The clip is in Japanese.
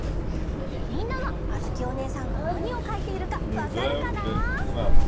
みんなはあづきおねえさんがなにをかいているかわかるかな？